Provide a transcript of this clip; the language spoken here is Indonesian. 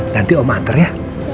nanti om antar ya